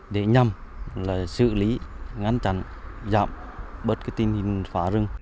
để nhằm xử lý ngăn chặn giảm bớt tình hình